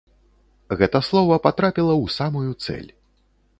Гэта слова патрапіла ў самую цэль.